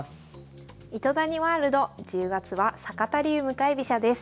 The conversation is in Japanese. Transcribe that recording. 「糸谷ワールド」１０月は「坂田流向かい飛車」です。